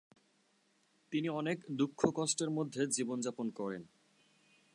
তিনি অনেক দুঃখ-কষ্টের মধ্যে জীবন যাপন করেন।